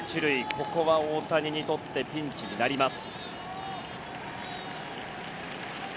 ここは大谷にとってピンチになります。